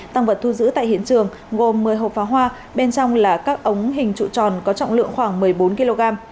tăng vật thu giữ tại hiện trường gồm một mươi hộp pháo hoa bên trong là các ống hình trụ tròn có trọng lượng khoảng một mươi bốn kg